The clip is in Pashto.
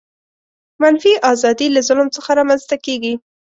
منفي آزادي له ظلم څخه رامنځته کیږي.